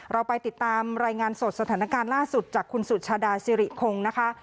เราไปติดตามรายงานสดสถานการณ์ล่าสุดจากคุณสุชาดาสิริคงนะคะ